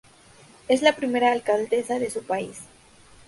Es la primera alcaldesa de su país.